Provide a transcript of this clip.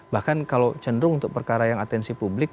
bahkan kalau cenderung untuk perkara yang atensi publik